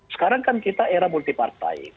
sekarang kan kita era multipartai